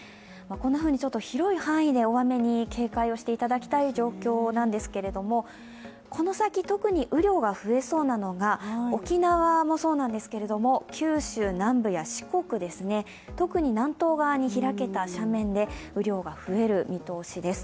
こんなふうに広い範囲で大雨に警戒をしていただきたい状況なんですけどもこの先、特に雨量が増えそうなのが沖縄もそうなんですけれども、九州南部や四国、特に南東側に開けた斜面で雨量が増える見通しです。